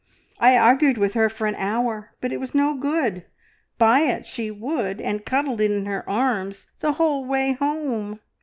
I argued with her for an hour, but it was no good, buy it she would, and cuddled it in her arms the whole way home!